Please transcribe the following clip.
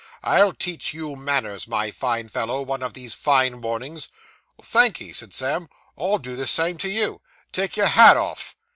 'I'll teach you manners, my fine fellow, one of these fine mornings.' 'Thank'ee,' said Sam. 'I'll do the same to you. Take your hat off.